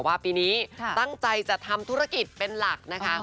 ว่าปีนี้ตั้งใจจะทำธุรกิจเป็นหลักนะคะ